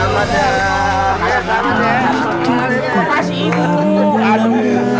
makasih ya bang